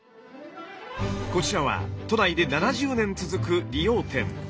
こちらは都内で７０年続く理容店。